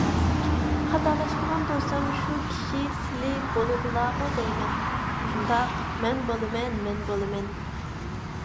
_ خاتالاشمىغان بولسام شۇ كىشى سىلى بولىدىلاغۇ دەيمەن؟ − شۇنداق، مەن بولىمەن، مەن بولىمەن.